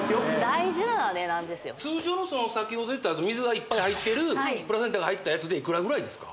大事なのは値段ですよ通常の先ほど言ったやつ水がいっぱい入ってるプラセンタが入ったやつでいくらぐらいですか？